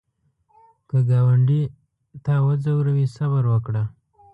که ګاونډي تا وځوروي، صبر وکړه